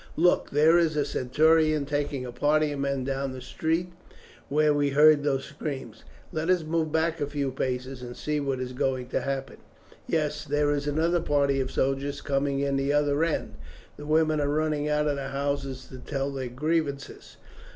Look, there is a centurion taking a party of men down the street where we heard those screams. Let us move back a few paces and see what is going to happen. Yes, there is another party of soldiers coming in at the other end. The women are running out of the houses to tell their grievances."